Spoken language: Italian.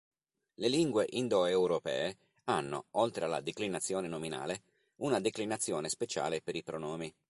Le lingue indoeuropee hanno, oltre alla declinazione nominale, una declinazione speciale per i pronomi.